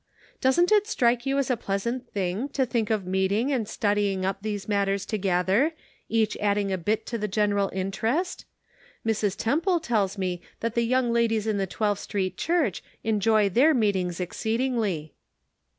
Doesn't it strike you as a pleasant thing to think of meeting and studying up these matters together, each adding a bit to the general interest? Mrs. Temple tells me that the young ladies in the Twelfth Street Church enjoy their meetings exceedingly.